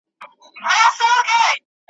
ددې شعر د یوې برخي ویډیو `